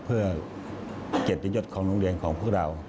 เพื่อเกียรติยศของโรงเรียนของพวกเรา